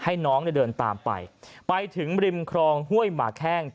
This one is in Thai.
ให้น้องเดินตามไปไปถึงริมครองห้วยหมาแค้ง